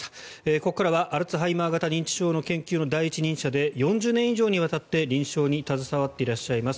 ここからはアルツハイマー型認知症研究の第一人者で４０年以上にわたって臨床に携わっていらっしゃいます